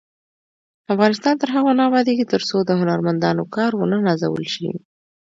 افغانستان تر هغو نه ابادیږي، ترڅو د هنرمندانو کار ونه نازول شي.